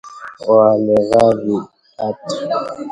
Wamevaa viatu